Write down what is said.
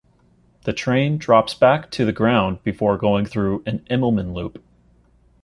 The train drops back to the ground before going through an Immelmann loop.